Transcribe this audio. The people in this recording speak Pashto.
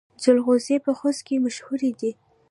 جلغوزي په خوست کې مشهور دي